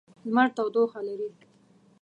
لمر تودوخه لري.